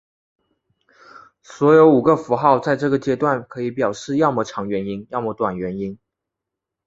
所有五个符号在这个阶段可以表示要么长元音要么短元音。